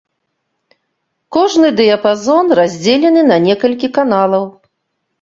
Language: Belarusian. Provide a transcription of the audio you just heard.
Кожны дыяпазон раздзелены на некалькі каналаў.